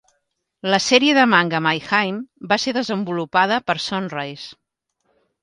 La sèrie de manga My-Hime va ser desenvolupada per Sunrise.